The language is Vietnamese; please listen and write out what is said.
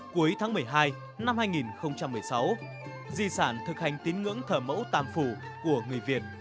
cuối tháng một mươi hai năm hai nghìn một mươi sáu di sản thực hành tiến ngưỡng thở mẫu tam phủ của người việt